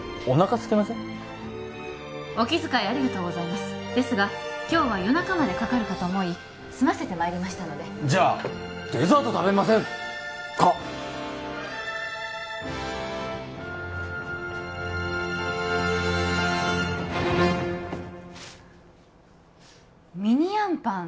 お気遣いありがとうございますですが今日は夜中までかかるかと思い済ませてまいりましたのでじゃあデザート食べませんか？